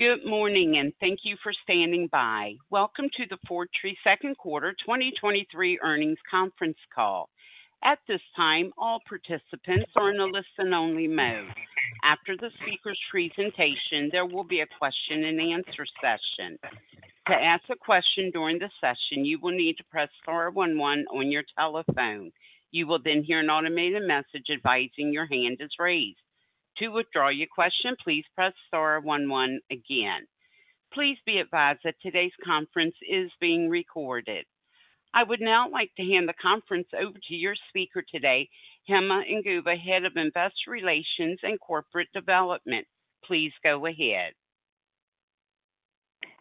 Good morning, and thank you for standing by. Welcome to the Fortrea Second Quarter 2023 Earnings Conference Call. At this time, all participants are in a listen-only mode. After the speaker's presentation, there will be a question-and-answer session. To ask a question during the session, you will need to press star one one on your telephone. You will then hear an automated message advising your hand is raised. To withdraw your question, please press star one one again. Please be advised that today's conference is being recorded. I would now like to hand the conference over to your speaker today, Hema Inguva, Head of Investor Relations and Corporate Development. Please go ahead.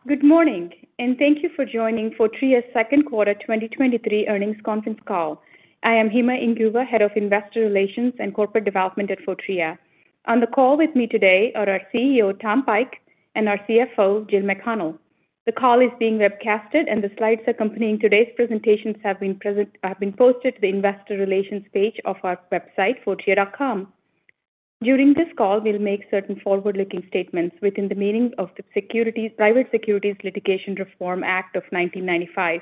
Good morning, thank you for joining Fortrea's second quarter 2023 earnings conference call. I am Hema Inguva, Head of Investor Relations and Corporate Development at Fortrea. On the call with me today are our CEO, Thomas Pike, and our CFO, Jill McConnell. The call is being webcasted, the slides accompanying today's presentations have been posted to the investor relations page of our website, fortrea.com. During this call, we'll make certain forward-looking statements within the meanings of the Private Securities Litigation Reform Act of 1995.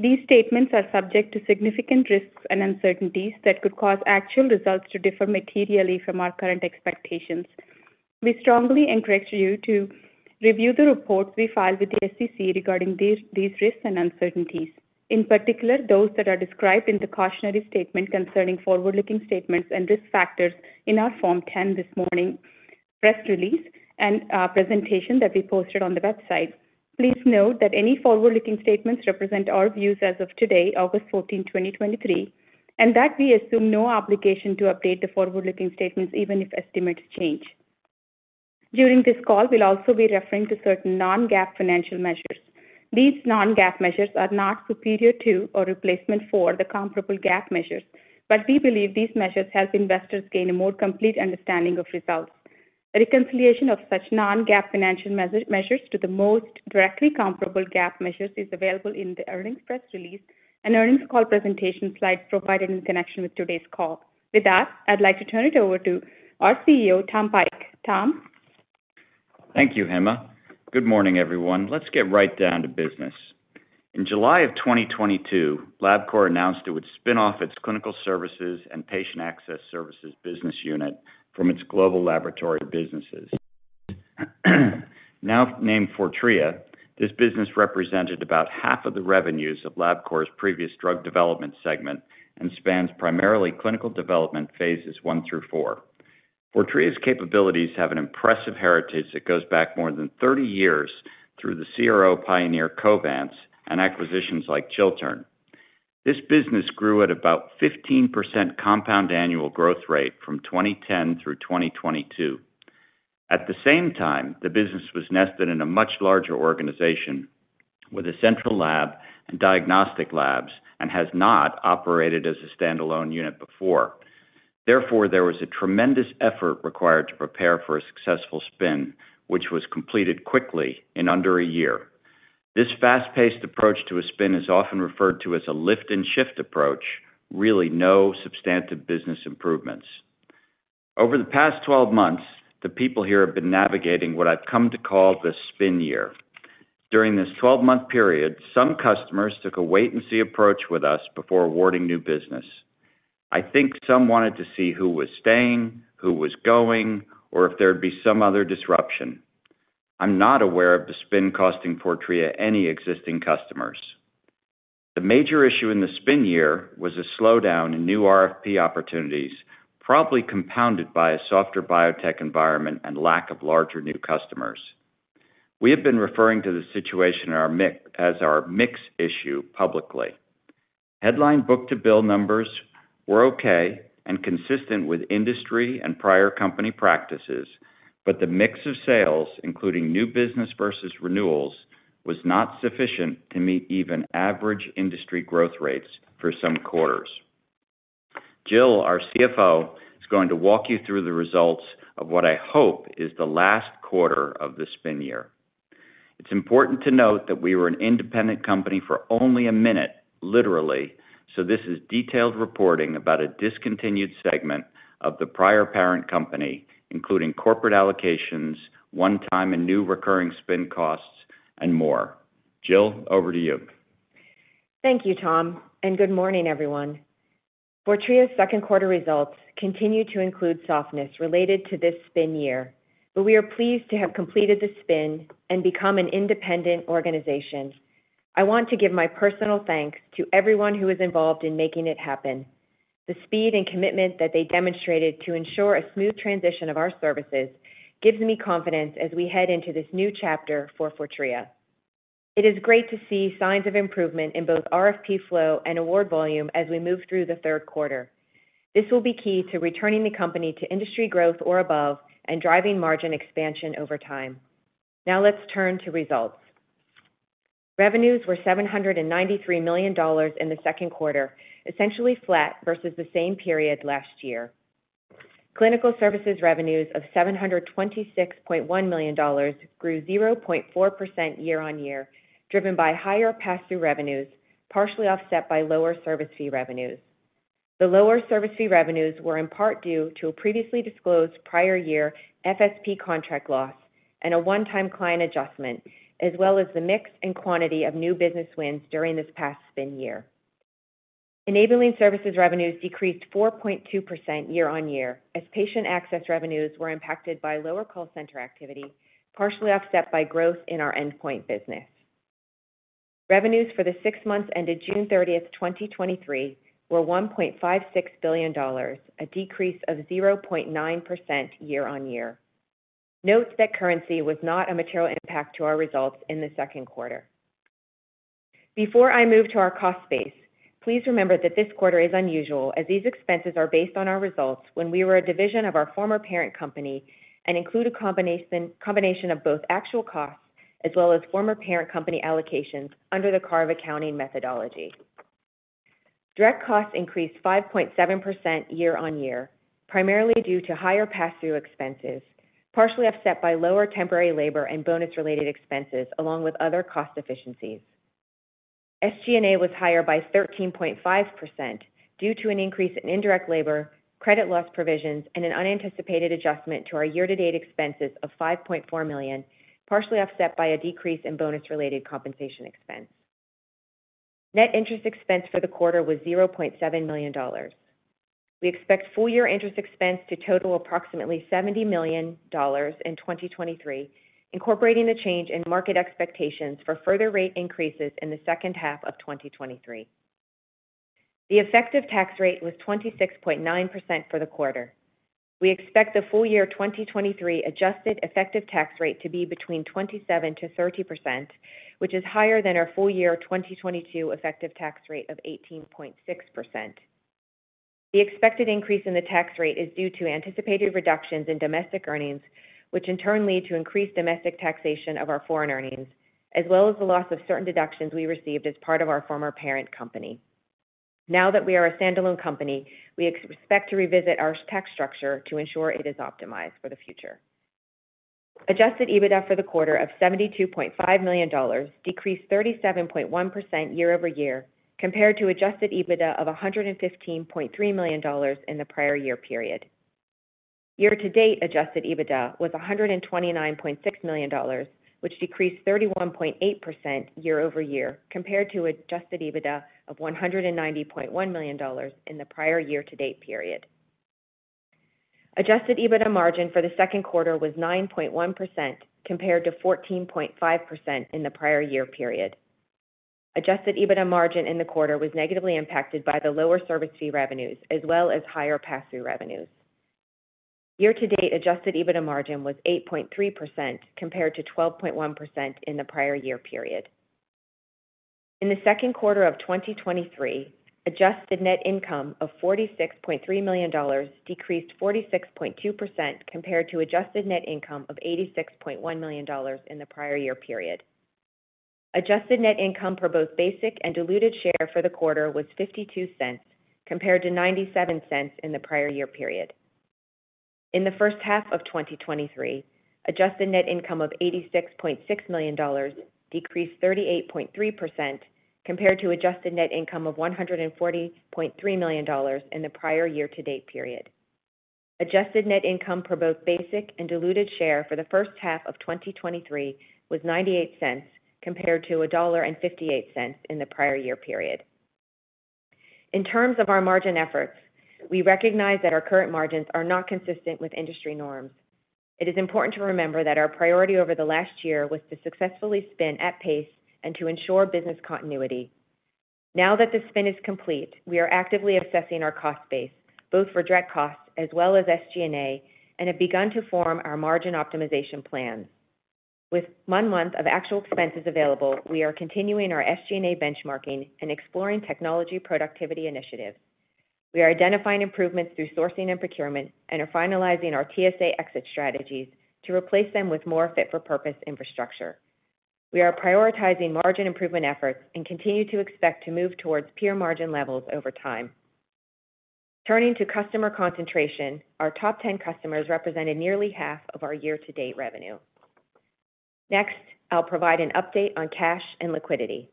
These statements are subject to significant risks and uncertainties that could cause actual results to differ materially from our current expectations. We strongly encourage you to review the reports we filed with the SEC regarding these, these risks and uncertainties, in particular, those that are described in the cautionary statement concerning forward-looking statements and risk factors in our Form 10 this morning, press release and presentation that we posted on the website. Please note that any forward-looking statements represent our views as of today, August 14, 2023, and that we assume no obligation to update the forward-looking statements, even if estimates change. During this call, we'll also be referring to certain non-GAAP financial measures. These non-GAAP measures are not superior to or replacement for the comparable GAAP measures, but we believe these measures help investors gain a more complete understanding of results. A reconciliation of such non-GAAP financial measures to the most directly comparable GAAP measures is available in the earnings press release and earnings call presentation slides provided in connection with today's call. With that, I'd like to turn it over to our CEO, Thomas Pike. Tom? Thank you, Hema. Good morning, everyone. Let's get right down to business. In July of 2022, Labcorp announced it would spin off its Clinical Development and Patient Access Services business unit from its global laboratory businesses. Now named Fortrea, this business represented about half of the revenues of Labcorp's previous drug development segment and spans primarily clinical development phases 1 through 4. Fortrea's capabilities have an impressive heritage that goes back more than 30 years through the CRO pioneer, Covance, and acquisitions like Chiltern. This business grew at about 15% compound annual growth rate from 2010 through 2022. At the same time, the business was nested in a much larger organization with a central lab and diagnostic labs and has not operated as a standalone unit before. There was a tremendous effort required to prepare for a successful spin, which was completed quickly in under a year. This fast-paced approach to a spin is often referred to as a lift and shift approach. Really no substantive business improvements. Over the past 12 months, the people here have been navigating what I've come to call the spin year. During this 12-month period, some customers took a wait-and-see approach with us before awarding new business. I think some wanted to see who was staying, who was going, or if there'd be some other disruption. I'm not aware of the spin costing Fortrea any existing customers. The major issue in the spin year was a slowdown in new RFP opportunities, probably compounded by a softer biotech environment and lack of larger, new customers. We have been referring to the situation as our mix issue publicly. Headline book-to-bill numbers were okay and consistent with industry and prior company practices, but the mix of sales, including new business versus renewals, was not sufficient to meet even average industry growth rates for some quarters. Jill, our CFO, is going to walk you through the results of what I hope is the last quarter of the spin year. It's important to note that we were an independent company for only a minute, literally, so this is detailed reporting about a discontinued segment of the prior parent company, including corporate allocations, one-time and new recurring spin costs, and more. Jill, over to you. Thank you, Tom, and good morning, everyone. Fortrea's second quarter results continue to include softness related to this spin year, but we are pleased to have completed the spin and become an independent organization. I want to give my personal thanks to everyone who is involved in making it happen. The speed and commitment that they demonstrated to ensure a smooth transition of our services gives me confidence as we head into this new chapter for Fortrea. It is great to see signs of improvement in both RFP flow and award volume as we move through the third quarter. This will be key to returning the company to industry growth or above and driving margin expansion over time. Now, let's turn to results. Revenues were $793 million in the second quarter, essentially flat versus the same period last year. Clinical services revenues of $726.1 million grew 0.4% year-on-year, driven by higher pass-through revenues, partially offset by lower service fee revenues. The lower service fee revenues were in part due to a previously disclosed prior year FSP contract loss and a one-time client adjustment, as well as the mix and quantity of new business wins during this past spin year. Enabling Services revenues decreased 4.2% year-on-year, as Patient Access revenues were impacted by lower call center activity, partially offset by growth in our Endpoint business. Revenues for the 6 months ended June thirtieth, 2023, were $1.56 billion, a decrease of 0.9% year-on-year. Note that currency was not a material impact to our results in the second quarter. Before I move to our cost base, please remember that this quarter is unusual, as these expenses are based on our results when we were a division of our former parent company and include a combination of both actual costs as well as former parent company allocations under the carve-out accounting methodology. Direct costs increased 5.7% year-on-year, primarily due to higher pass-through expenses, partially offset by lower temporary labor and bonus-related expenses, along with other cost efficiencies. SG&A was higher by 13.5% due to an increase in indirect labor, credit loss provisions, and an unanticipated adjustment to our year-to-date expenses of $5.4 million, partially offset by a decrease in bonus-related compensation expense. Net interest expense for the quarter was $0.7 million. We expect full-year interest expense to total approximately $70 million in 2023, incorporating the change in market expectations for further rate increases in the second half of 2023. The effective tax rate was 26.9% for the quarter. We expect the full year 2023 adjusted effective tax rate to be between 27%-30%, which is higher than our full year 2022 effective tax rate of 18.6%. The expected increase in the tax rate is due to anticipated reductions in domestic earnings, which in turn lead to increased domestic taxation of our foreign earnings, as well as the loss of certain deductions we received as part of our former parent company. Now that we are a standalone company, we expect to revisit our tax structure to ensure it is optimized for the future. Adjusted EBITDA for the quarter of $72.5 million decreased 37.1% year-over-year, compared to Adjusted EBITDA of $115.3 million in the prior year period. Year-to-date Adjusted EBITDA was $129.6 million, which decreased 31.8% year-over-year, compared to Adjusted EBITDA of $190.1 million in the prior year-to-date period. Adjusted EBITDA margin for the second quarter was 9.1%, compared to 14.5% in the prior year period. Adjusted EBITDA margin in the quarter was negatively impacted by the lower service fee revenues as well as higher pass-through revenues. Year-to-date Adjusted EBITDA margin was 8.3%, compared to 12.1% in the prior year period. In the second quarter of 2023, adjusted net income of $46.3 million decreased 46.2%, compared to adjusted net income of $86.1 million in the prior year period. Adjusted net income per both basic and diluted share for the quarter was $0.52, compared to $0.97 in the prior year period. In the first half of 2023, adjusted net income of $86.6 million decreased 38.3%, compared to adjusted net income of $140.3 million in the prior year-to-date period. Adjusted net income per both basic and diluted share for the first half of 2023 was $0.98, compared to $1.58 in the prior year period. In terms of our margin efforts, we recognize that our current margins are not consistent with industry norms. It is important to remember that our priority over the last year was to successfully spin at pace and to ensure business continuity. Now that the spin is complete, we are actively assessing our cost base, both for direct costs as well as SG&A, and have begun to form our margin optimization plans. With 1 month of actual expenses available, we are continuing our SG&A benchmarking and exploring technology productivity initiatives. We are identifying improvements through sourcing and procurement and are finalizing our TSA exit strategies to replace them with more fit-for-purpose infrastructure. We are prioritizing margin improvement efforts and continue to expect to move towards peer margin levels over time. Turning to customer concentration, our top 10 customers represented nearly half of our year-to-date revenue. Next, I'll provide an update on cash and liquidity.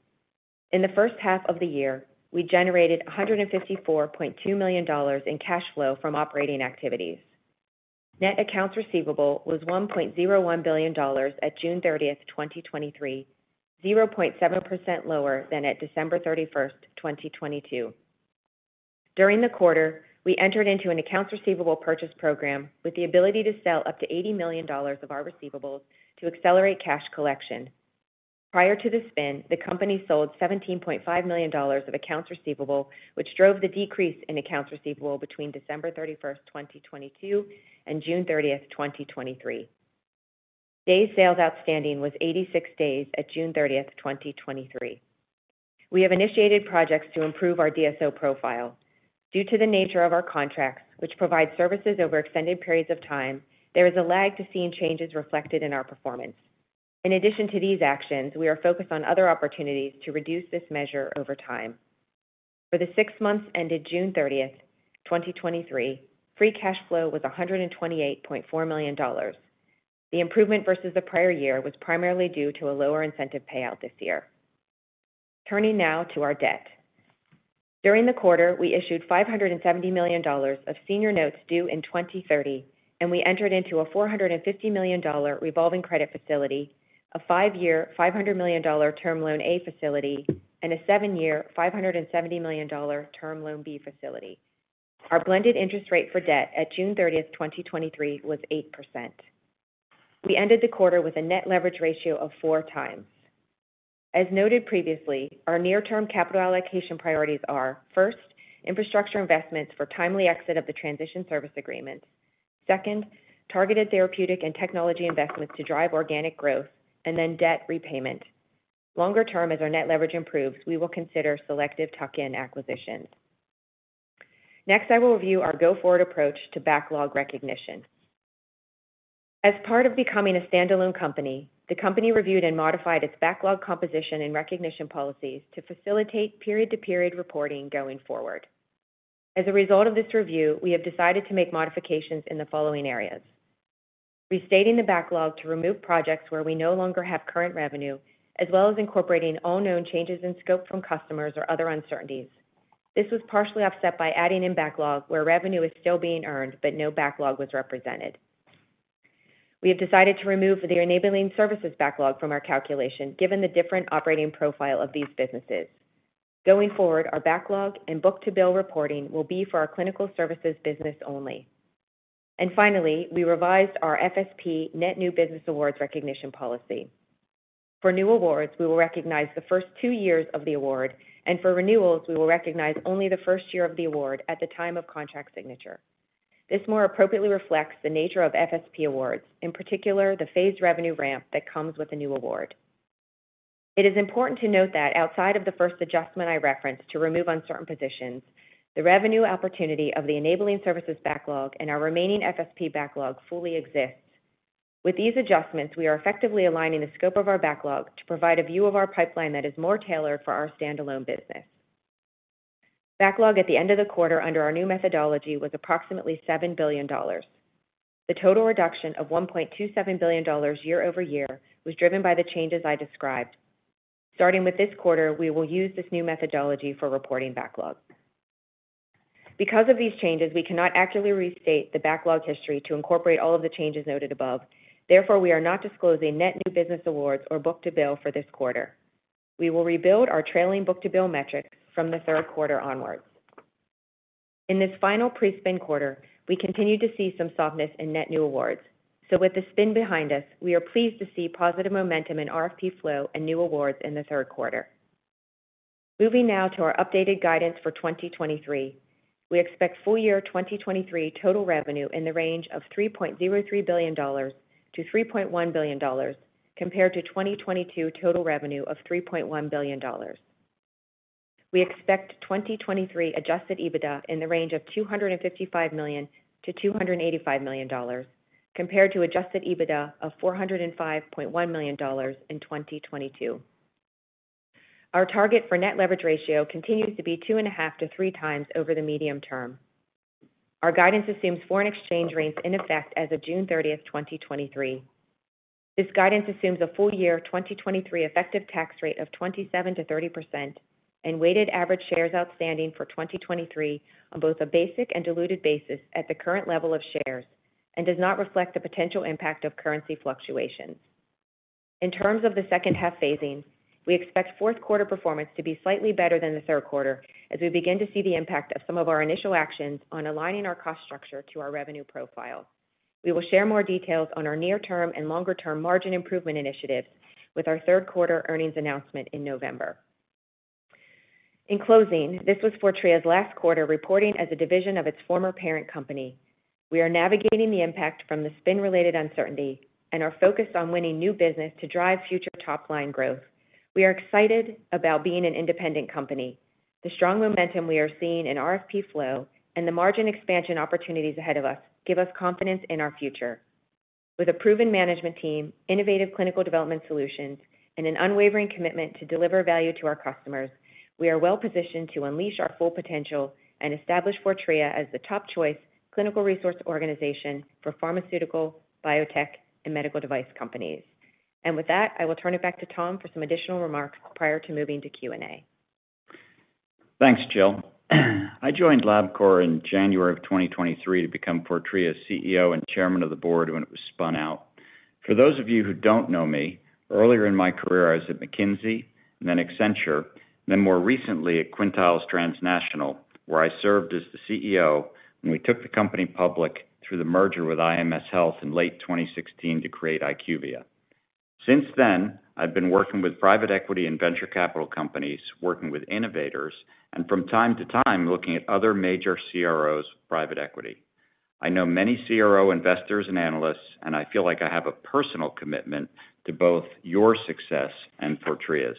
In the first half of the year, we generated $154.2 million in cash flow from operating activities. Net accounts receivable was $1.01 billion at June 30, 2023, 0.7% lower than at December 31, 2022. During the quarter, we entered into an accounts receivable purchase program with the ability to sell up to $80 million of our receivables to accelerate cash collection. Prior to the spin, the company sold $17.5 million of accounts receivable, which drove the decrease in accounts receivable between December 31, 2022, and June 30, 2023. Days sales outstanding was 86 days at June 30, 2023. We have initiated projects to improve our DSO profile. Due to the nature of our contracts, which provide services over extended periods of time, there is a lag to seeing changes reflected in our performance. In addition to these actions, we are focused on other opportunities to reduce this measure over time. For the six months ended June 30, 2023, free cash flow was $128.4 million. The improvement versus the prior year was primarily due to a lower incentive payout this year. Turning now to our debt. During the quarter, we issued $570 million of senior notes due in 2030. We entered into a $450 million revolving credit facility, a five-year, $500 million Term Loan A facility, and a seven-year, $570 million Term Loan B facility. Our blended interest rate for debt at June thirtieth, 2023, was 8%. We ended the quarter with a net leverage ratio of 4x. As noted previously, our near-term capital allocation priorities are: first, infrastructure investments for timely exit of the Transition Services Agreement; second, targeted therapeutic and technology investments to drive organic growth; then debt repayment. Longer term, as our net leverage improves, we will consider selective tuck-in acquisitions. I will review our go-forward approach to backlog recognition. As part of becoming a standalone company, the company reviewed and modified its backlog composition and recognition policies to facilitate period-to-period reporting going forward. As a result of this review, we have decided to make modifications in the following areas: restating the backlog to remove projects where we no longer have current revenue, as well as incorporating all known changes in scope from customers or other uncertainties. This was partially offset by adding in backlog, where revenue is still being earned, but no backlog was represented. We have decided to remove the Enabling Services backlog from our calculation, given the different operating profile of these businesses. Going forward, our backlog and book-to-bill reporting will be for our clinical services business only. Finally, we revised our FSP net new business awards recognition policy. For new awards, we will recognize the first two years of the award, and for renewals, we will recognize only the first year of the award at the time of contract signature. This more appropriately reflects the nature of FSP awards, in particular, the phased revenue ramp that comes with a new award. It is important to note that outside of the first adjustment I referenced to remove uncertain positions, the revenue opportunity of the Enabling Services backlog and our remaining FSP backlog fully exists. With these adjustments, we are effectively aligning the scope of our backlog to provide a view of our pipeline that is more tailored for our standalone business. Backlog at the end of the quarter under our new methodology was approximately $7 billion. The total reduction of $1.27 billion year-over-year was driven by the changes I described. Starting with this quarter, we will use this new methodology for reporting backlog. Because of these changes, we cannot accurately restate the backlog history to incorporate all of the changes noted above. We are not disclosing net new business awards or book-to-bill for this quarter. We will rebuild our trailing Book-to-bill metric from the third quarter onwards. In this final pre-spin quarter, we continued to see some softness in net new awards. With the spin behind us, we are pleased to see positive momentum in RFP flow and new awards in the third quarter. Moving now to our updated guidance for 2023. We expect full year 2023 total revenue in the range of $3.03 billion to $3.1 billion, compared to 2022 total revenue of $3.1 billion. We expect 2023 Adjusted EBITDA in the range of $255 million-$285 million, compared to Adjusted EBITDA of $405.1 million in 2022. Our target for net leverage ratio continues to be 2.5x-3x over the medium term. Our guidance assumes foreign exchange rates in effect as of June 30, 2023. This guidance assumes a full year 2023 effective tax rate of 27%-30% and weighted average shares outstanding for 2023 on both a basic and diluted basis at the current level of shares and does not reflect the potential impact of currency fluctuations. In terms of the second half phasing, we expect fourth quarter performance to be slightly better than the third quarter as we begin to see the impact of some of our initial actions on aligning our cost structure to our revenue profile. We will share more details on our near-term and longer-term margin improvement initiatives with our third quarter earnings announcement in November. In closing, this was Fortrea's last quarter reporting as a division of its former parent company. We are navigating the impact from the spin-related uncertainty and are focused on winning new business to drive future top-line growth. We are excited about being an independent company. The strong momentum we are seeing in RFP flow and the margin expansion opportunities ahead of us give us confidence in our future. With a proven management team, innovative clinical development solutions, and an unwavering commitment to deliver value to our customers, we are well positioned to unleash our full potential and establish Fortrea as the top choice contract research organization for pharmaceutical, biotech, and medical device companies. With that, I will turn it back to Tom for some additional remarks prior to moving to Q&A. Thanks, Jill. I joined Labcorp in January of 2023 to become Fortrea's CEO and chairman of the board when it was spun out. For those of you who don't know me, earlier in my career, I was at McKinsey, then Accenture, then more recently at Quintiles Transnational, where I served as the CEO when we took the company public through the merger with IMS Health in late 2016 to create IQVIA. Since then, I've been working with private equity and venture capital companies, working with innovators, and from time to time, looking at other major CROs private equity. I know many CRO investors and analysts, and I feel like I have a personal commitment to both your success and Fortrea's.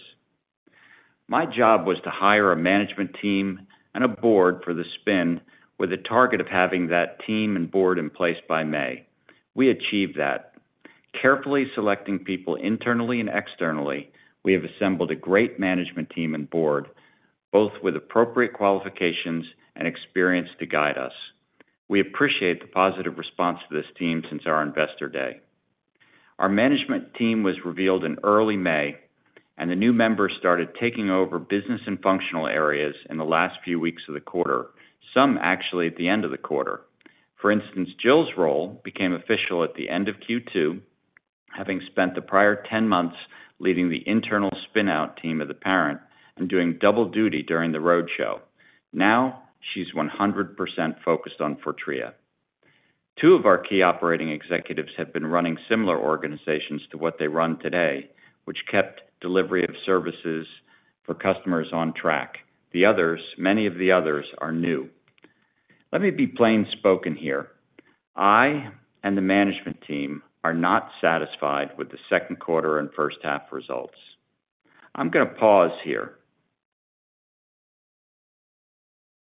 My job was to hire a management team and a board for the spin, with a target of having that team and board in place by May. We achieved that. Carefully selecting people internally and externally, we have assembled a great management team and board, both with appropriate qualifications and experience to guide us. We appreciate the positive response to this team since our Investor Day. Our management team was revealed in early May, and the new members started taking over business and functional areas in the last few weeks of the quarter, some actually at the end of the quarter. For instance, Jill's role became official at the end of Q2, having spent the prior ten months leading the internal spin-out team of the parent and doing double duty during the roadshow. Now, she's 100% focused on Fortrea. Two of our key operating executives have been running similar organizations to what they run today, which kept delivery of services for customers on track. Many of the others are new. Let me be plain spoken here. I and the management team are not satisfied with the second quarter and first half results. I'm gonna pause here.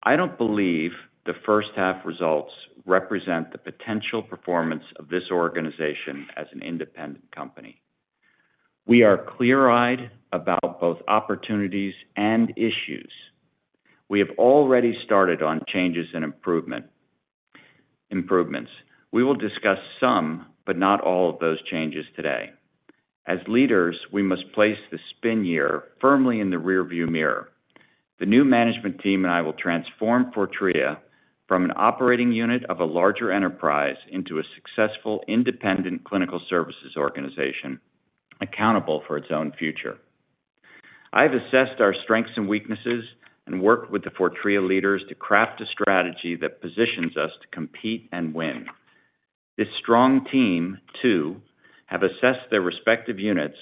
I don't believe the first half results represent the potential performance of this organization as an independent company. We are clear-eyed about both opportunities and issues. We have already started on changes and improvements. We will discuss some, but not all, of those changes today. As leaders, we must place the spin year firmly in the rearview mirror. The new management team and I will transform Fortrea from an operating unit of a larger enterprise into a successful, independent clinical services organization, accountable for its own future. I've assessed our strengths and weaknesses and worked with the Fortrea leaders to craft a strategy that positions us to compete and win. This strong team, too, have assessed their respective units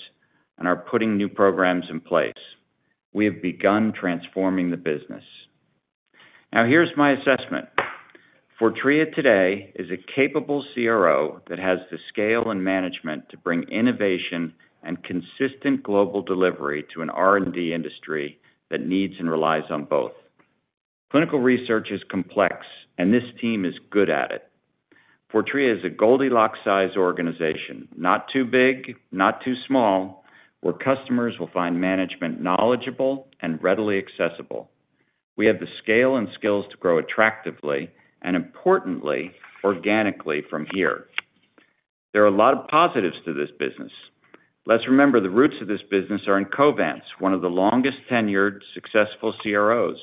and are putting new programs in place. We have begun transforming the business. Now, here's my assessment: Fortrea today is a capable CRO that has the scale and management to bring innovation and consistent global delivery to an R&D industry that needs and relies on both. Clinical research is complex, and this team is good at it. Fortrea is a Goldilocks-sized organization, not too big, not too small, where customers will find management knowledgeable and readily accessible. We have the scale and skills to grow attractively and, importantly, organically from here. There are a lot of positives to this business. Let's remember, the roots of this business are in Covance, one of the longest-tenured, successful CROs.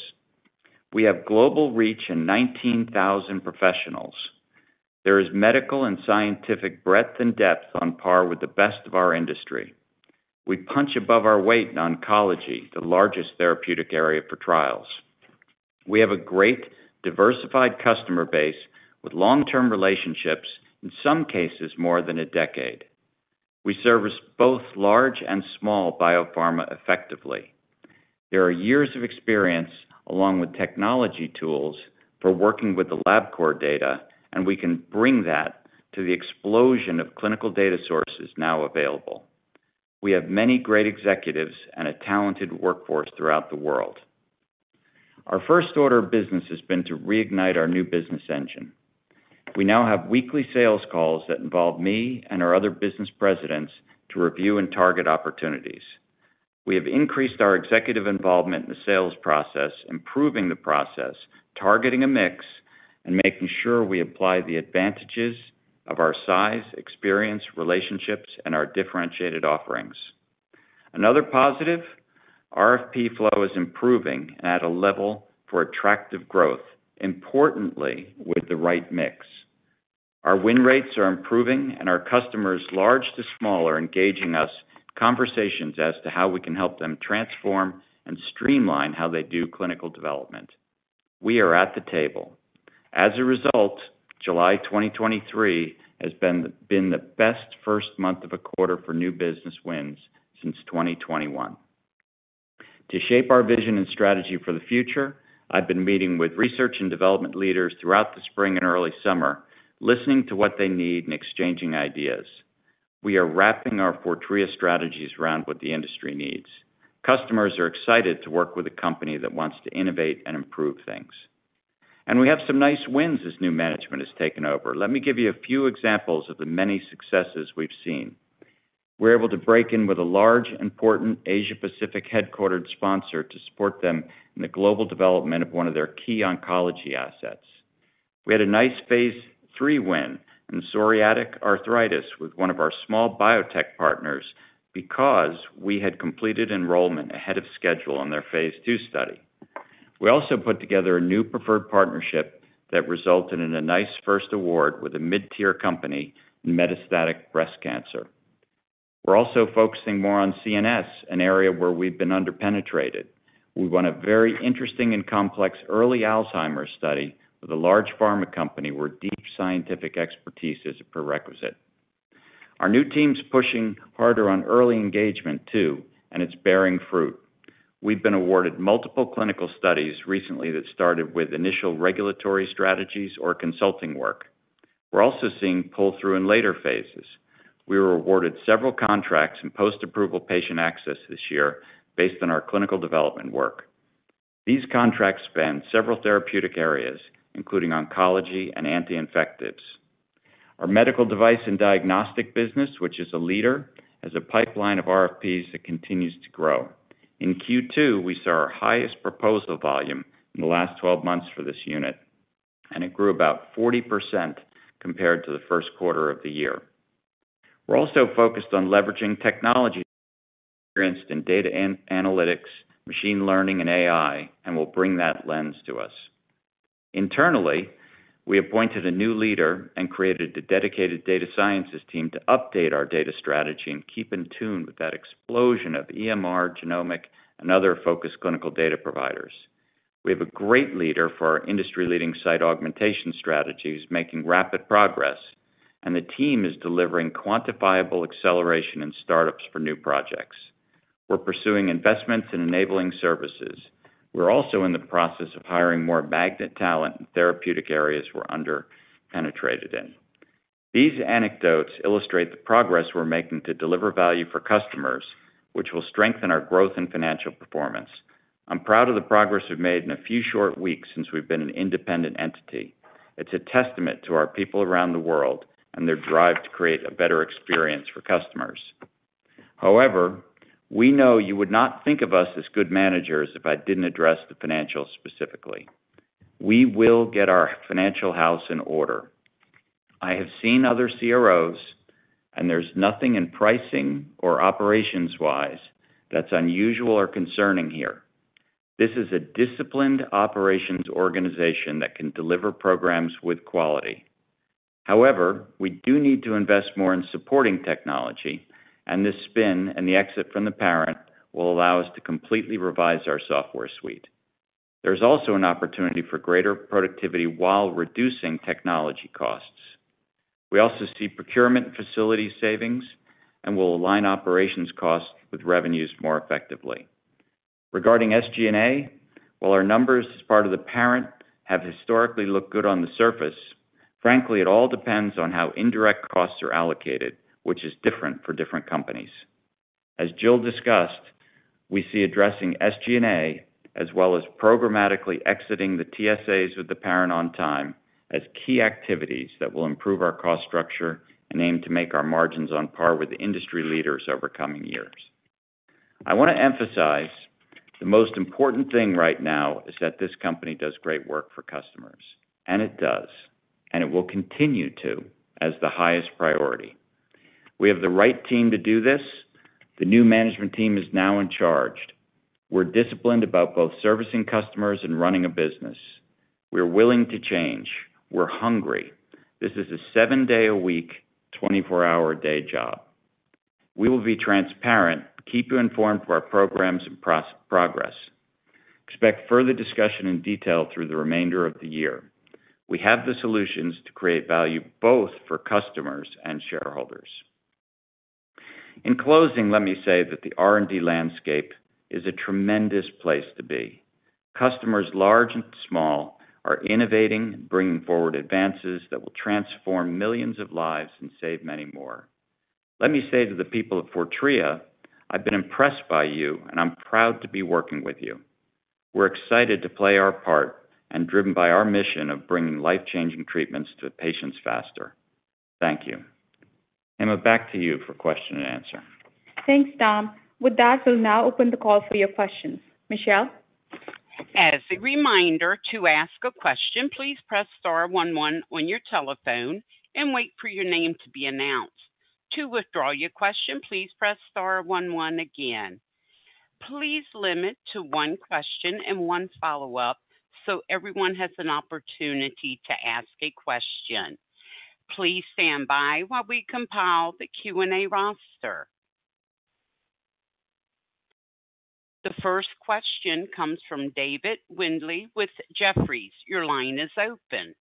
We have global reach and 19,000 professionals. There is medical and scientific breadth and depth on par with the best of our industry. We punch above our weight in oncology, the largest therapeutic area for trials. We have a great, diversified customer base with long-term relationships, in some cases, more than a decade. We service both large and small biopharma effectively. There are years of experience, along with technology tools, for working with the Labcorp data, and we can bring that to the explosion of clinical data sources now available. We have many great executives and a talented workforce throughout the world. Our first order of business has been to reignite our new business engine. We now have weekly sales calls that involve me and our other business presidents to review and target opportunities. We have increased our executive involvement in the sales process, improving the process, targeting a mix, and making sure we apply the advantages of our size, experience, relationships, and our differentiated offerings. Another positive, RFP flow is improving and at a level for attractive growth, importantly, with the right mix. Our win rates are improving, our customers, large to small, are engaging us conversations as to how we can help them transform and streamline how they do Clinical Development. We are at the table. As a result, July 2023 has been the best first month of a quarter for new business wins since 2021. To shape our vision and strategy for the future, I've been meeting with research and development leaders throughout the spring and early summer, listening to what they need and exchanging ideas. We are wrapping our Fortrea strategies around what the industry needs. Customers are excited to work with a company that wants to innovate and improve things. We have some nice wins as new management has taken over. Let me give you a few examples of the many successes we've seen. We're able to break in with a large, important Asia-Pacific headquartered sponsor to support them in the global development of one of their key oncology assets. We had a nice Phase III win in psoriatic arthritis with one of our small biotech partners because we had completed enrollment ahead of schedule on their Phase II study. We also put together a new preferred partnership that resulted in a nice first award with a mid-tier company in metastatic breast cancer. We're also focusing more on CNS, an area where we've been under-penetrated. We won a very interesting and complex early Alzheimer's study with a large pharma company, where deep scientific expertise is a prerequisite. Our new team's pushing harder on early engagement, too, and it's bearing fruit. We've been awarded multiple clinical studies recently that started with initial regulatory strategies or consulting work. We're also seeing pull-through in later phases. We were awarded several contracts in post-approval patient access this year based on our Clinical Development work. These contracts span several therapeutic areas, including oncology and anti-infectives. Our medical device and diagnostic business, which is a leader, has a pipeline of RFPs that continues to grow. In Q2, we saw our highest proposal volume in the last 12 months for this unit, and it grew about 40% compared to the first quarter of the year. We're also focused on leveraging technology experienced in data analytics, machine learning, and AI, and will bring that lens to us. Internally, we appointed a new leader and created a dedicated data sciences team to update our data strategy and keep in tune with that explosion of EMR, genomic, and other focused clinical data providers. We have a great leader for our industry-leading site augmentation strategies, making rapid progress, and the team is delivering quantifiable acceleration in startups for new projects. We're pursuing investments in Enabling Services. We're also in the process of hiring more magnet talent in therapeutic areas we're under penetrated in. These anecdotes illustrate the progress we're making to deliver value for customers, which will strengthen our growth and financial performance. I'm proud of the progress we've made in a few short weeks since we've been an independent entity. It's a testament to our people around the world and their drive to create a better experience for customers. We know you would not think of us as good managers if I didn't address the financials specifically. We will get our financial house in order. I have seen other CROs, there's nothing in pricing or operations-wise that's unusual or concerning here. This is a disciplined operations organization that can deliver programs with quality. We do need to invest more in supporting technology, this spin and the exit from the parent will allow us to completely revise our software suite. There's also an opportunity for greater productivity while reducing technology costs. We also see procurement facility savings and will align operations costs with revenues more effectively. Regarding SG&A, while our numbers as part of the parent have historically looked good on the surface, frankly, it all depends on how indirect costs are allocated, which is different for different companies. As Jill discussed, we see addressing SG&A, as well as programmatically exiting the TSAs with the parent on time, as key activities that will improve our cost structure and aim to make our margins on par with the industry leaders over coming years. I want to emphasize, the most important thing right now is that this company does great work for customers, and it does, and it will continue to as the highest priority. We have the right team to do this. The new management team is now in charge. We're disciplined about both servicing customers and running a business. We're willing to change. We're hungry. This is a seven-day-a-week, twenty-four-hour-a-day job. We will be transparent, keep you informed of our programs and progress. Expect further discussion in detail through the remainder of the year. We have the solutions to create value both for customers and shareholders. In closing, let me say that the R&D landscape is a tremendous place to be. Customers, large and small, are innovating and bringing forward advances that will transform millions of lives and save many more. Let me say to the people of Fortrea, I've been impressed by you, and I'm proud to be working with you. We're excited to play our part and driven by our mission of bringing life-changing treatments to patients faster. Thank you. Hema, back to you for question and answer. Thanks, Tom. With that, we'll now open the call for your questions. Michelle? As a reminder, to ask a question, please press star one one on your telephone and wait for your name to be announced. To withdraw your question, please press star one one again. Please limit to one question and one follow-up so everyone has an opportunity to ask a question. Please stand by while we compile the Q&A roster. The first question comes from David Windley with Jefferies. Your line is open.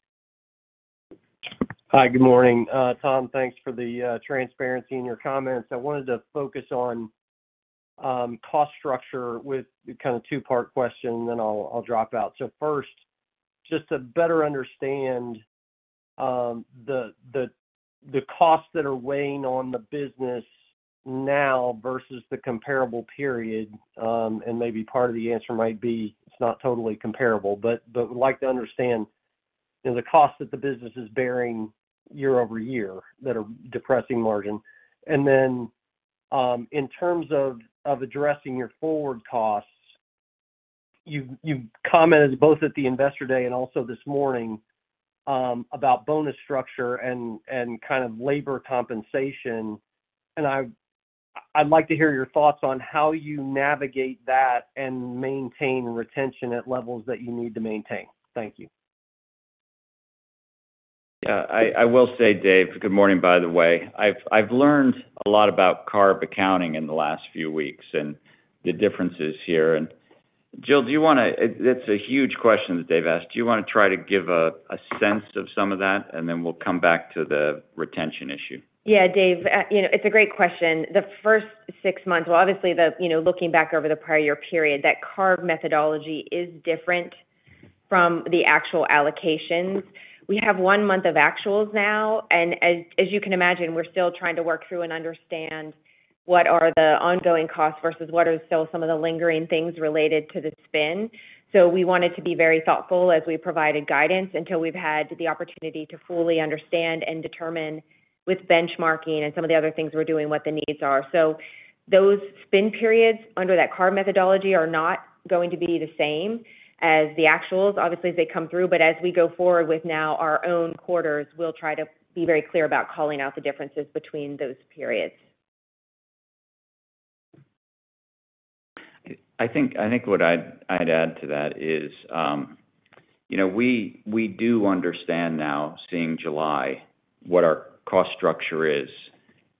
Hi, good morning, Tom. Thanks for the transparency in your comments. I wanted to focus on cost structure with kind of a two-part question, then I'll, I'll drop out. First, just to better understand the, the, the costs that are weighing on the business now versus the comparable period, and maybe part of the answer might be it's not totally comparable, but, but I'd like to understand, you know, the cost that the business is bearing year-over-year that are depressing margin. Then, in terms of, of addressing your forward costs, you've, you've commented both at the Investor Day and also this morning, about bonus structure and, and kind of labor compensation. I'd like to hear your thoughts on how you navigate that and maintain retention at levels that you need to maintain. Thank you. Yeah, I will say, Dave, good morning, by the way. I've learned a lot about carve-out accounting in the last few weeks and the differences here. Jill, it's a huge question that Dave asked. Do you want to try to give a sense of some of that, and then we'll come back to the retention issue? Yeah, Dave, you know, it's a great question. The first six months-- well, obviously, the, you know, looking back over the prior year period, that carve-out methodology is different from the actual allocations. We have one month of actuals now, and as, as you can imagine, we're still trying to work through and understand what are the ongoing costs versus what are still some of the lingering things related to the spin. So we wanted to be very thoughtful as we provided guidance until we've had the opportunity to fully understand and determine, with benchmarking and some of the other things we're doing, what the needs are. So, those spin periods under that carve-out methodology are not going to be the same as the actuals, obviously, as they come through. As we go forward with now our own quarters, we'll try to be very clear about calling out the differences between those periods. I think, I think what I'd, I'd add to that is, you know, we, we do understand now, seeing July, what our cost structure is,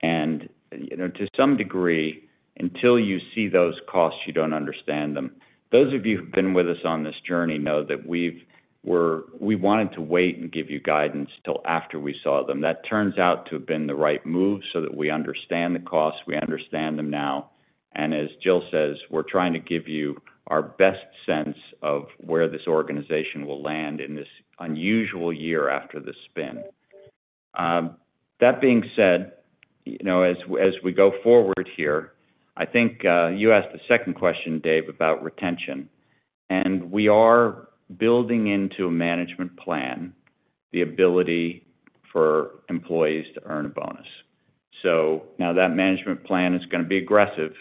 and, you know, to some degree, until you see those costs, you don't understand them. Those of you who've been with us on this journey know that we wanted to wait and give you guidance till after we saw them. That turns out to have been the right move so that we understand the costs, we understand them now, and as Jill says, we're trying to give you our best sense of where this organization will land in this unusual year after the spin. That being said, you know, as, as we go forward here, I think you asked the second question, Dave, about retention, and we are building into a management plan, the ability for employees to earn a bonus. Now that management plan is gonna be aggressive,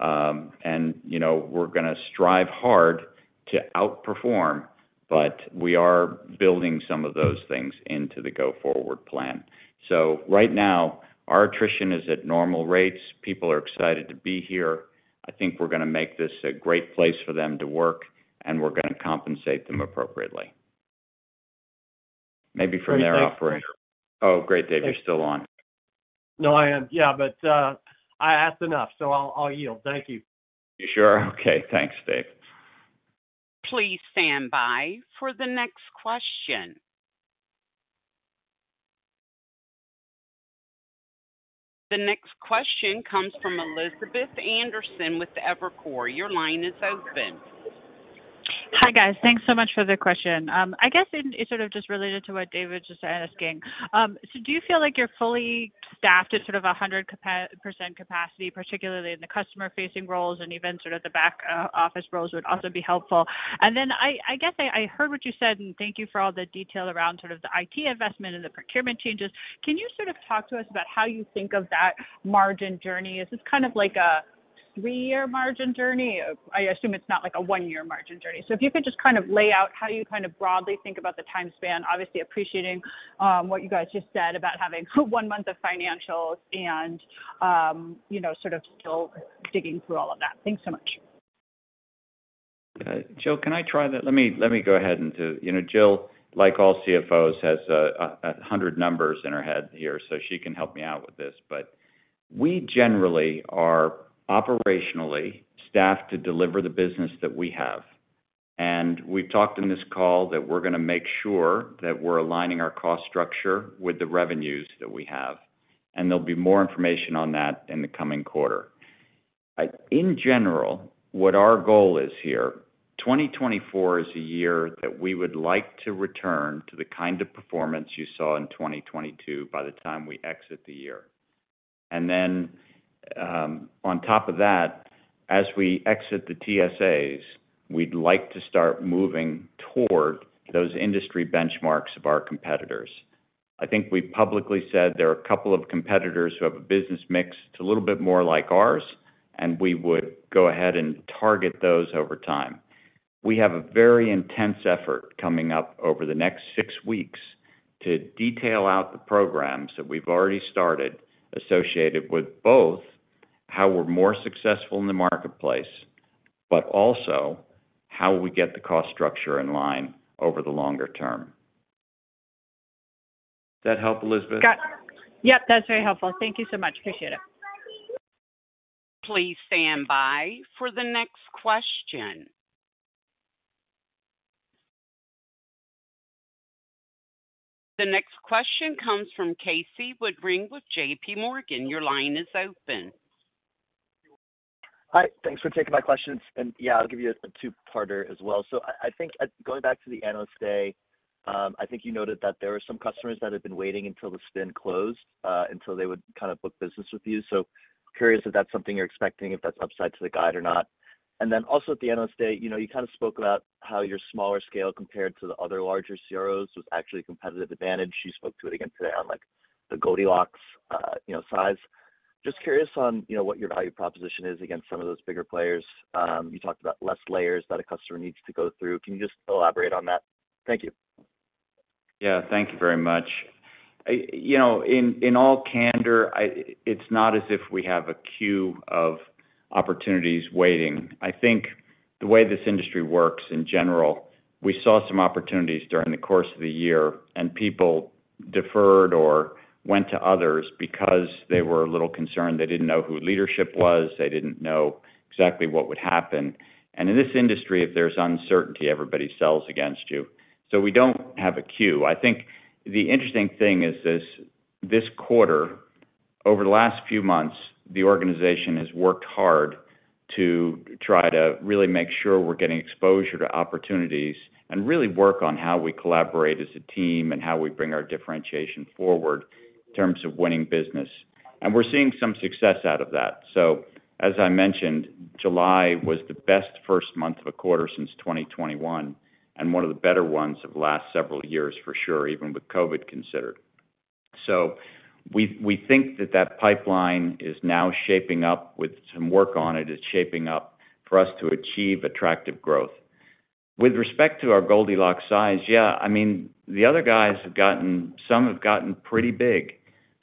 and you know, we're gonna strive hard to outperform, but we are building some of those things into the go-forward plan. Right now, our attrition is at normal rates. People are excited to be here. I think we're gonna make this a great place for them to work, and we're gonna compensate them appropriately. Maybe from there operating- Oh, great, Dave, you're still on. No, I am. Yeah, I asked enough, so I'll, I'll yield. Thank you. You sure? Okay, thanks, Dave. Please stand by for the next question. The next question comes from Elizabeth Anderson with Evercore. Your line is open. Hi, guys. Thanks so much for the question. I guess it, it sort of just related to what David was just asking. Do you feel like you're fully staffed at sort of 100% capacity, particularly in the customer-facing roles and even sort of the back office roles would also be helpful? I guess I heard what you said, and thank you for all the detail around sort of the IT investment and the procurement changes. Can you sort of talk to us about how you think of that margin journey? Is this kind of like a three-year margin journey? I assume it's not like a one-year margin journey. If you could just kind of lay out how you kind of broadly think about the time span, obviously appreciating, what you guys just said about having one month of financials and, you know, sort of still digging through all of that. Thanks so much. Jill, can I try that? Let me, let me go ahead and do... You know, Jill, like all CFOs, has 100 numbers in her head here, so she can help me out with this. We generally are operationally staffed to deliver the business that we have, and we've talked in this call that we're gonna make sure that we're aligning our cost structure with the revenues that we have, and there'll be more information on that in the coming quarter. In general, what our goal is here, 2024 is a year that we would like to return to the kind of performance you saw in 2022 by the time we exit the year. Then, on top of that, as we exit the TSAs, we'd like to start moving toward those industry benchmarks of our competitors. I think we've publicly said there are a couple of competitors who have a business mix a little bit more like ours, and we would go ahead and target those over time. We have a very intense effort coming up over the next six weeks to detail out the programs that we've already started, associated with both how we're more successful in the marketplace, but also how we get the cost structure in line over the longer term. That help, Elizabeth? Got. Yep, that's very helpful. Thank you so much. Appreciate it. Please stand by for the next question. The next question comes from Casey Woodring with J.P. Morgan. Your line is open. Hi, thanks for taking my questions. Yeah, I'll give you a two-parter as well. I, I think, going back to the Analyst Day, I think you noted that there were some customers that had been waiting until the spin closed, until they would kind of book business with you. Curious if that's something you're expecting, if that's upside to the guide or not? Then also at the Analyst Day, you know, you kind of spoke about how your smaller scale compared to the other larger CROs was actually a competitive advantage. You spoke to it again today on, like, the Goldilocks, you know, size. Just curious on, you know, what your value proposition is against some of those bigger players? You talked about less layers that a customer needs to go through. Can you just elaborate on that? Thank you. Yeah, thank thank you very much. you know, in, in all candor, it's not as if we have a queue of opportunities waiting. I think the way this industry works in general, we saw some opportunities during the course of the year, and people deferred or went to others because they were a little concerned. They didn't know who leadership was, they didn't know exactly what would happen. In this industry, if there's uncertainty, everybody sells against you. We don't have a queue. I think the interesting thing is this, this quarter, over the last few months, the organization has worked hard to try to really make sure we're getting exposure to opportunities and really work on how we collaborate as a team and how we bring our differentiation forward in terms of winning business. We're seeing some success out of that. As I mentioned, July was the best first month of a quarter since 2021, and one of the better ones of the last several years, for sure, even with COVID considered. We, we think that that pipeline is now shaping up, with some work on it, is shaping up for us to achieve attractive growth. With respect to our Goldilocks size, yeah, I mean, the other guys have gotten, some have gotten pretty big,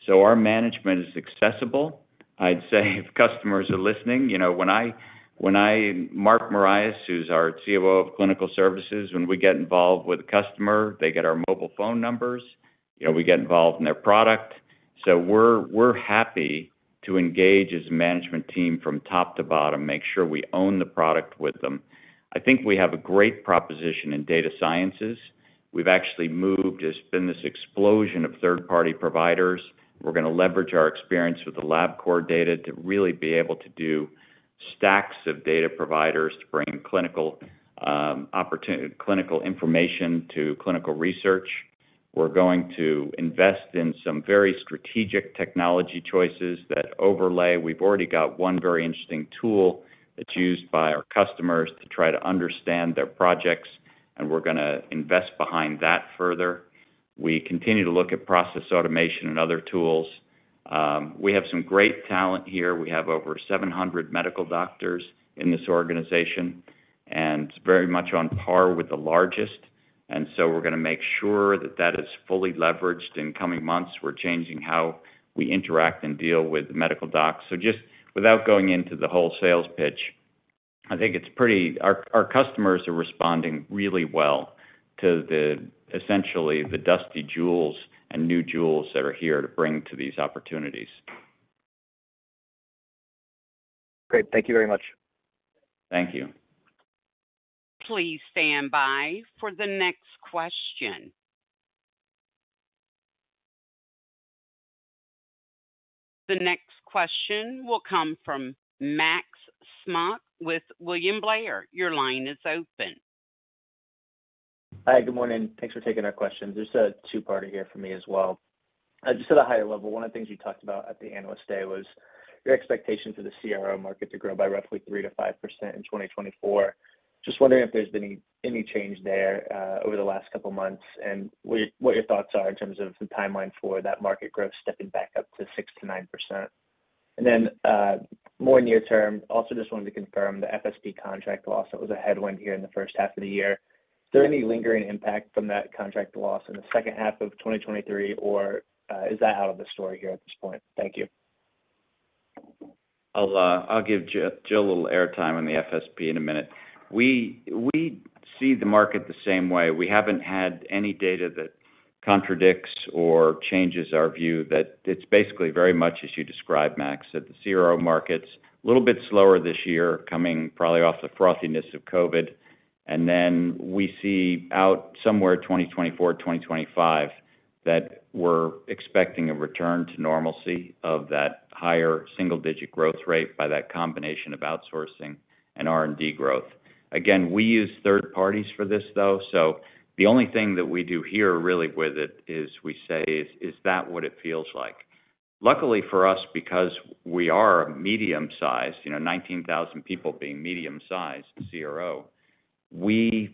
so our management is accessible. I'd say if customers are listening, you know, when I, when I, Mark Mariani, who's our COO of Clinical Development, when we get involved with a customer, they get our mobile phone numbers. You know, we get involved in their product. We're, we're happy to engage as a management team from top to bottom, make sure we own the product with them. I think we have a great proposition in data sciences. We've actually moved. There's been this explosion of third-party providers. We're gonna leverage our experience with the Labcorp data to really be able to do stacks of data providers to bring clinical, opportunity-- clinical information to clinical research. We're going to invest in some very strategic technology choices that overlay. We've already got one very interesting tool that's used by our customers to try to understand their projects, and we're gonna invest behind that further. We continue to look at process automation and other tools. We have some great talent here. We have over 700 medical doctors in this organization and very much on par with the largest. We're gonna make sure that that is fully leveraged. In coming months, we're changing how we interact and deal with medical docs. Just without going into the whole sales pitch, I think it's pretty, our customers are responding really well to the, essentially, the dusty jewels and new jewels that are here to bring to these opportunities. Great. Thank you very much. Thank you. Please stand by for the next question. The next question will come from Max Smock with William Blair. Your line is open. Hi, good morning. Thanks for taking our question. Just a two-parter here for me as well. Just at a higher level, one of the things you talked about at the Analyst Day was your expectation for the CRO market to grow by roughly 3%-5% in 2024. Just wondering if there's been any, any change there over the last couple of months, and what, what your thoughts are in terms of the timeline for that market growth stepping back up to 6%-9%? More near term, also just wanted to confirm the FSP contract loss. That was a headwind here in the first half of the year. Is there any lingering impact from that contract loss in the second half of 2023, or is that out of the story here at this point? Thank you. I'll, I'll give Jill, Jill a little airtime on the FSP in a minute. We, we see the market the same way. We haven't had any data that contradicts or changes our view, that it's basically very much as you described, Max, that the CRO market's a little bit slower this year, coming probably off the frothiness of COVID. We see out somewhere 2024, 2025, that we're expecting a return to normalcy of that higher single-digit growth rate by that combination of outsourcing and R&D growth. Again, we use third parties for this, though, so the only thing that we do here really with it is we say, "Is that what it feels like?" Luckily for us, because we are medium-sized, you know, 19,000 people being medium-sized CRO, you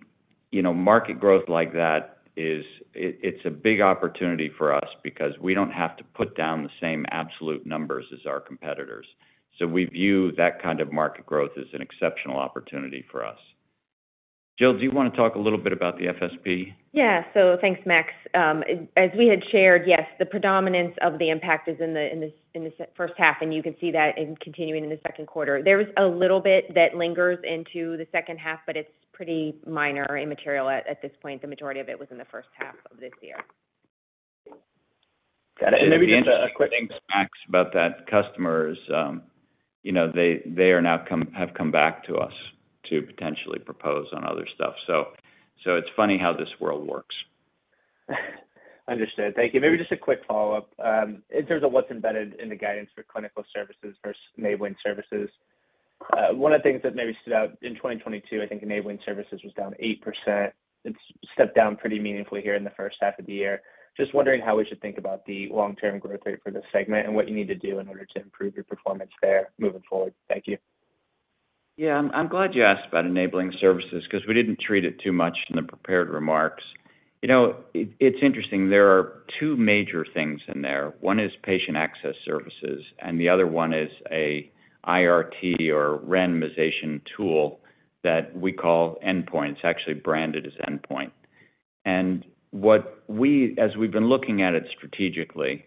know, market growth like that is, it's a big opportunity for us because we don't have to put down the same absolute numbers as our competitors. We view that kind of market growth as an exceptional opportunity for us. Jill, do you want to talk a little bit about the FSP? Yeah. Thanks, Max. As we had shared, yes, the predominance of the impact is in the first half, you can see that in continuing in the second quarter. There is a little bit that lingers into the second half, it's pretty minor or immaterial at this point. The majority of it was in the first half of this year. Got it. Maybe just a quick- Max, about that customer is, you know, they, they are now have come back to us to potentially propose on other stuff. It's funny how this world works. Understood. Thank you. Maybe just a quick follow-up. In terms of what's embedded in the guidance for Clinical Services versus Enabling Services, one of the things that maybe stood out in 2022, I think Enabling Services was down 8%. It's stepped down pretty meaningfully here in the first half of the year. Just wondering how we should think about the long-term growth rate for this segment and what you need to do in order to improve your performance there moving forward. Thank you. Yeah, I'm, I'm glad you asked about Enabling Services because we didn't treat it too much in the prepared remarks. You know, it's interesting. There are two major things in there. One is Patient Access Services, and the other one is a IRT or randomization tool that we call Endpoint. It's actually branded as Endpoint. What we've been looking at it strategically,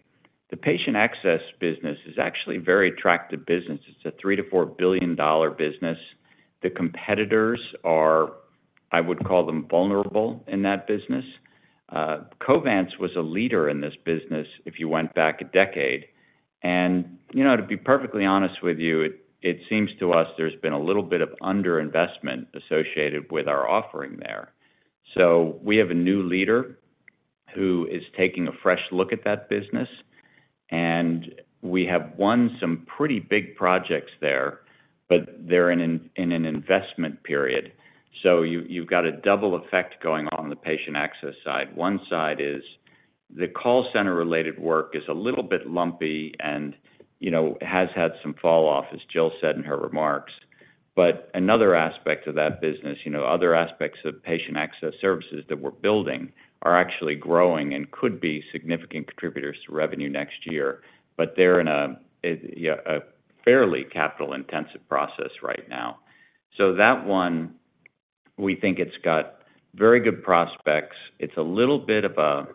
the Patient Access business is actually a very attractive business. It's a $3 billion-$4 billion business. The competitors are, I would call them, vulnerable in that business. Covance was a leader in this business if you went back a decade. You know, to be perfectly honest with you, it, it seems to us there's been a little bit of underinvestment associated with our offering there. We have a new leader who is taking a fresh look at that business, and we have won some pretty big projects there, but they're in an investment period. You, you've got a double effect going on in the Patient Access side. One side is the call center-related work is a little bit lumpy and, you know, has had some falloff, as Jill said in her remarks. Another aspect of that business, you know, other aspects of Patient Access Services that we're building are actually growing and could be significant contributors to revenue next year. They're in a fairly capital-intensive process right now. That one, we think it's got very good prospects. It's a little bit of a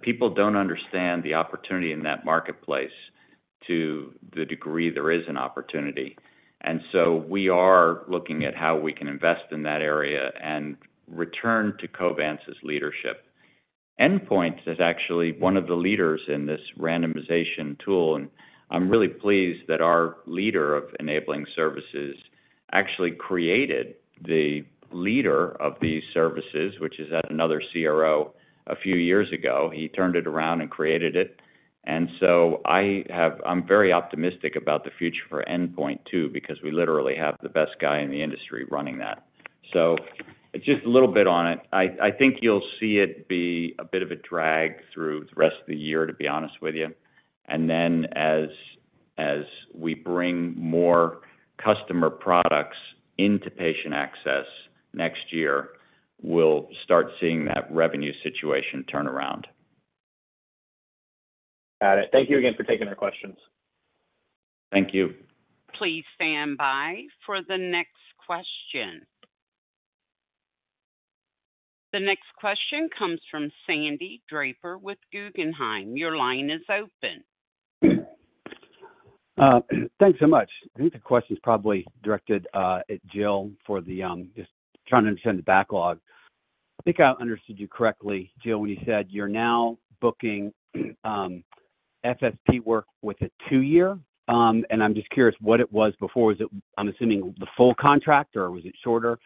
people don't understand the opportunity in that marketplace to the degree there is an opportunity. We are looking at how we can invest in that area and return to Covance's leadership. Endpoint is actually one of the leaders in this randomization tool, and I'm really pleased that our leader of Enabling Services actually created the leader of these services, which is at another CRO a few years ago. He turned it around and created it. I'm very optimistic about the future for Endpoint, too, because we literally have the best guy in the industry running that. Just a little bit on it. I think you'll see it be a bit of a drag through the rest of the year, to be honest with you. Then as, as we bring more customer products into Patient Access next year, we'll start seeing that revenue situation turn around. Got it. Thank you again for taking our questions. Thank you. Please stand by for the next question. The next question comes from Sandy Draper with Guggenheim. Your line is open. Thanks so much. I think the question is probably directed at Jill for the just trying to understand the backlog. I think I understood you correctly, Jill, when you said you're now booking FSP work with a 2-year, and I'm just curious what it was before. Was it, I'm assuming, the full contract, or was it shorter?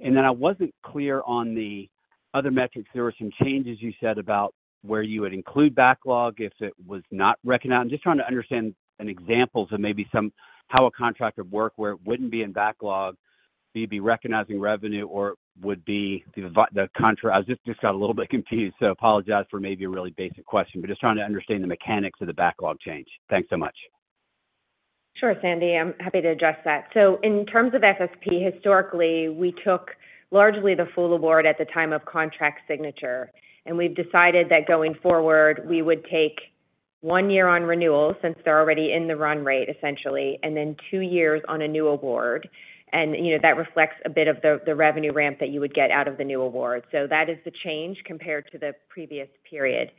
Then I wasn't clear on the other metrics. There were some changes you said about where you would include backlog if it was not recognized. I'm just trying to understand an examples of maybe some, how a contract would work, where it wouldn't be in backlog, you'd be recognizing revenue. I just got a little bit confused, so apologize for maybe a really basic question, but just trying to understand the mechanics of the backlog change. Thanks so much. Sure, Sandy, I'm happy to address that. In terms of FSP, historically, we took largely the full award at the time of contract signature, and we've decided that going forward, we would take 1 year on renewal, since they're already in the run rate, essentially, and then two years on a new award. You know, that reflects a bit of the, the revenue ramp that you would get out of the new award. That is the change compared to the previous period.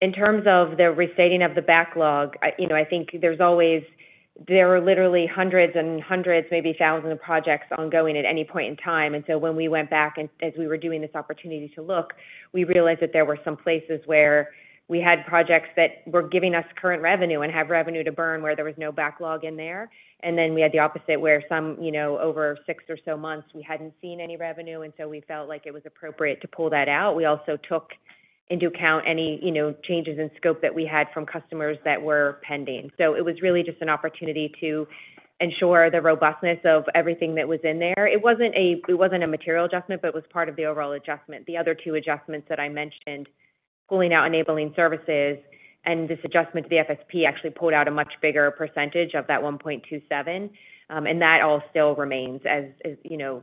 In terms of the restating of the backlog, you know, I think there's always-- there are literally hundreds and hundreds, maybe thousands of projects ongoing at any point in time. When we went back and as we were doing this opportunity to look, we realized that there were some places where we had projects that were giving us current revenue and have revenue to burn, where there was no backlog in there. Then we had the opposite, where some, you know, over six or so months, we hadn't seen any revenue, and so we felt like it was appropriate to pull that out. We also took into account any, you know, changes in scope that we had from customers that were pending. It was really just an opportunity to ensure the robustness of everything that was in there. It wasn't a, it wasn't a material adjustment, but it was part of the overall adjustment. The other two adjustments that I mentioned, pulling out Enabling Services and this adjustment to the FSP, actually pulled out a much bigger % of that 1.27. That all still remains as, as, you know,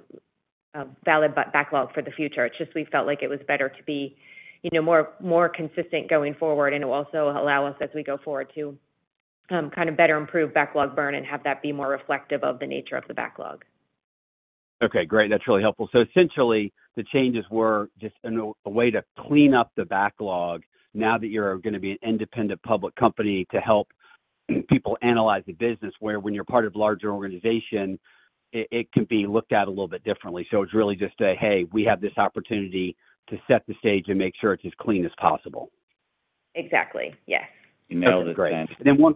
a valid backlog for the future. It's just we felt like it was better to be, you know, more, more consistent going forward. It will also allow us, as we go forward, to kind of better improve backlog burn and have that be more reflective of the nature of the backlog. Okay, great. That's really helpful. Essentially, the changes were just a way to clean up the backlog now that you're gonna be an independent public company, to help people analyze the business, where when you're part of a larger organization, it can be looked at a little bit differently. It's really just a, "Hey, we have this opportunity to set the stage and make sure it's as clean as possible. Exactly, yes. You nailed it, Sandy. That's great. Then one...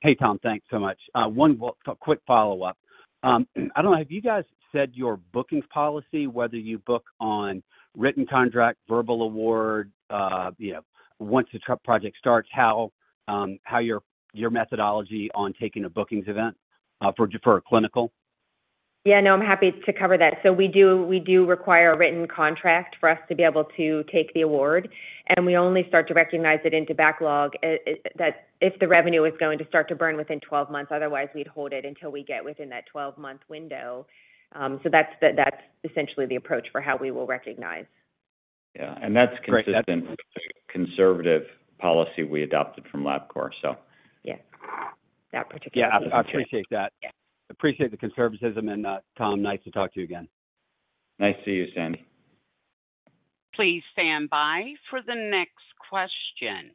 Hey, Tom, thanks so much. One quick follow-up. I don't know, have you guys said your booking policy, whether you book on written contract, verbal award, you know, once the truck project starts, how your, your methodology on taking a bookings event for, for a clinical? Yeah, no, I'm happy to cover that. We do, we do require a written contract for us to be able to take the award, and we only start to recognize it into backlog, that if the revenue is going to start to burn within 12 months, otherwise, we'd hold it until we get within that 12-month window. That's essentially the approach for how we will recognize. Yeah, that's consistent with the conservative policy we adopted from Labcorp, so. Yes, that particular- Yeah, I appreciate that. Yeah. Appreciate the conservatism, and, Tom, nice to talk to you again. Nice to see you, Sandy. Please stand by for the next question.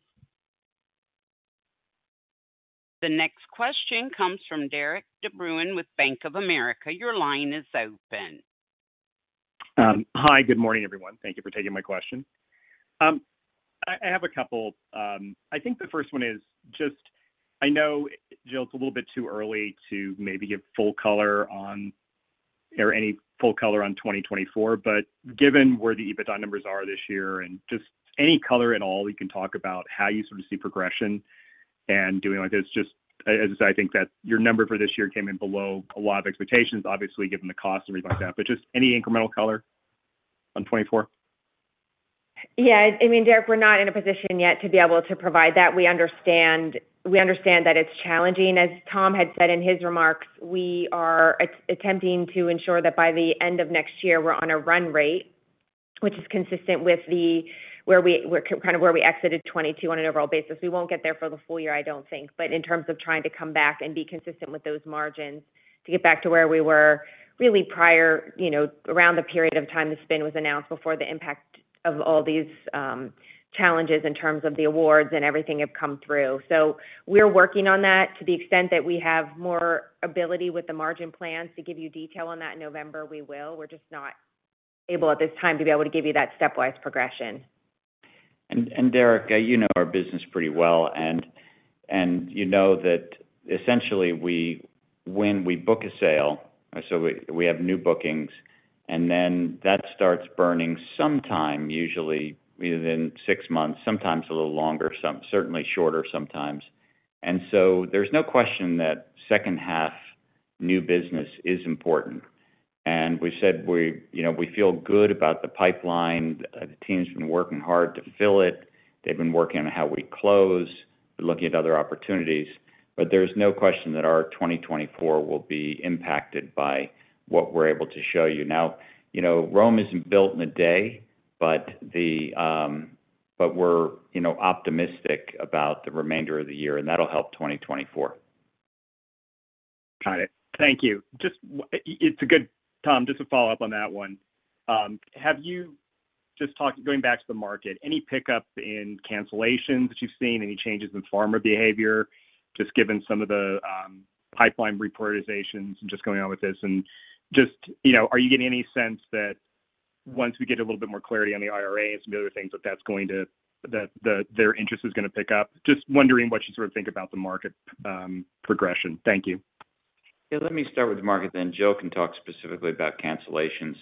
The next question comes from Derek DeBruin with Bank of America. Your line is open. Hi, good morning, everyone. Thank you for taking my question. I have a couple. I think the first one is just, I know, Jill, it's a little bit too early to maybe give full color on or any full color on 2024, but given where the EBITDA numbers are this year and just any color at all, you can talk about how you sort of see progression and doing like this, just as I think that your number for this year came in below a lot of expectations, obviously, given the cost and everything like that, but just any incremental color on 2024? Yeah, I mean, Derek, we're not in a position yet to be able to provide that. We understand, we understand that it's challenging. As Tom had said in his remarks, we are attempting to ensure that by the end of next year we're on a run rate. which is consistent with the, where we kind of where we exited 2022 on an overall basis. We won't get there for the full year, I don't think. But in terms of trying to come back and be consistent with those margins, to get back to where we were really prior, you know, around the period of time the spin was announced, before the impact of all these challenges in terms of the awards and everything have come through. We're working on that to the extent that we have more ability with the margin plans. To give you detail on that in November, we will. We're just not able, at this time, to be able to give you that stepwise progression. Derek, you know our business pretty well, and you know that essentially, when we book a sale, we have new bookings, and then that starts burning sometime, usually within 6 months, sometimes a little longer, certainly shorter, sometimes. There's no question that second half new business is important. We said we, you know, we feel good about the pipeline. The team's been working hard to fill it. They've been working on how we close. We're looking at other opportunities. There's no question that our 2024 will be impacted by what we're able to show you. Now, you know, Rome isn't built in a day, but we're, you know, optimistic about the remainder of the year, and that'll help 2024. Got it. Thank you. Tom, just to follow up on that one. Have you just talked, going back to the market, any pickup in cancellations that you've seen, any changes in pharma behavior, just given some of the pipeline reprioritizations just going on with this? Just, you know, are you getting any sense that once we get a little bit more clarity on the IRA and some other things, that that's going to, that, that their interest is going to pick up? Just wondering what you sort of think about the market progression. Thank you. Yeah, let me start with the market, then Jill can talk specifically about cancellations.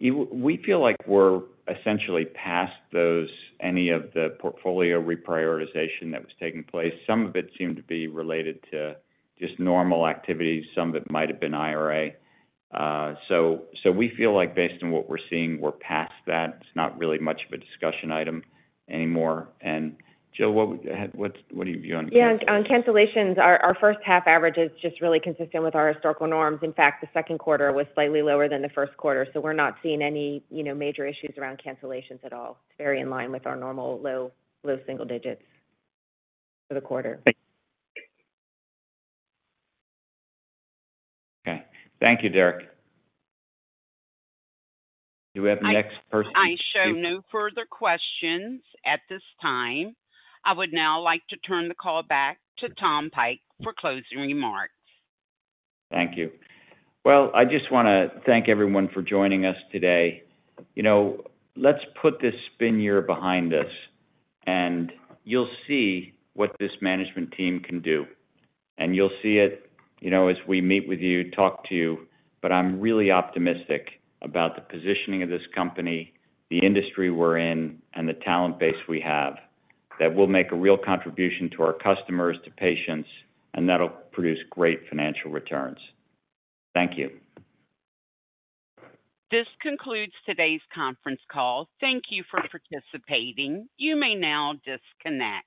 We feel like we're essentially past those, any of the portfolio reprioritization that was taking place. Some of it seemed to be related to just normal activity, some of it might have been IRA. We feel like based on what we're seeing, we're past that. It's not really much of a discussion item anymore. Jill, what, what's, what are you. Yeah, on, on cancellations, our, our first half average is just really consistent with our historical norms. In fact, the second quarter was slightly lower than the first quarter, so we're not seeing any, you know, major issues around cancellations at all. It's very in line with our normal low, low single digits for the quarter. Thank you. Okay. Thank you, Derek. Do we have the next person? I show no further questions at this time. I would now like to turn the call back to Thomas Pike for closing remarks. Thank you. Well, I just want to thank everyone for joining us today. You know, let's put this spin year behind us, and you'll see what this management team can do. You'll see it, you know, as we meet with you, talk to you. I'm really optimistic about the positioning of this company, the industry we're in, and the talent base we have, that we'll make a real contribution to our customers, to patients, and that'll produce great financial returns. Thank you. This concludes today's conference call. Thank you for participating. You may now disconnect.